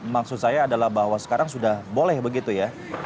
maksud saya adalah bahwa sekarang sudah boleh begitu ya